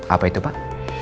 apa itu pak